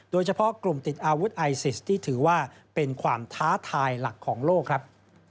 โดยเฉพาะกลุ่มติดอาวุธไอซิสที่ถือว่าเป็นความท้าทายหลักของโลกครับ